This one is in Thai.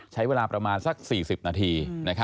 ใช้เวลาประมาณสัก๔๐นาที